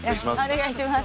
お願いします。